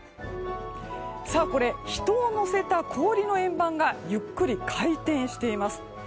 これ、人を乗せた氷の円盤がゆっくり回転しています。